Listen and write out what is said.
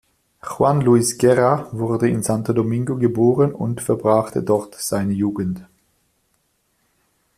Juan Luis Guerra wurde in Santo Domingo geboren und verbrachte dort seine Jugend.